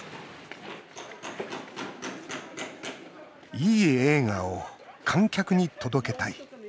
いい映画を観客に届けたい。